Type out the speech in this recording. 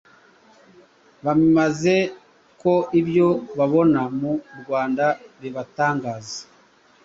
bameza ko ibyo babona mu Rwanda bibatangaza.